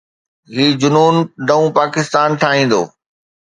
هي جنون نئون پاڪستان ٺاهيندو.